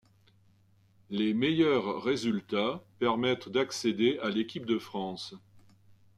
Les meilleurs résultats permettent d'accéder à l'équipe de France.